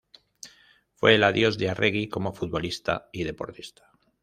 Fue el adiós de Arregui como futbolista y deportista.